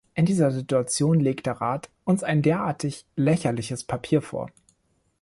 In dieser Situation legt der Rat uns ein derartig lächerliches Papier vor!